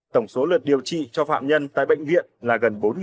tổng số lượt điều trị cho phạm nhân tại bệnh viện là gần bốn lượt